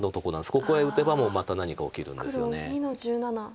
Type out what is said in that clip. ここへ打てばもうまた何か起きるんですよね。